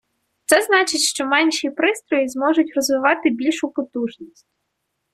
Це значить, що менші пристрої зможуть розвивати більшу потужність.